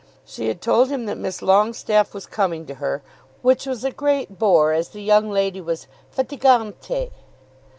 She had told him that Miss Longestaffe was coming to her, which was a great bore, as the young lady was "fatigante."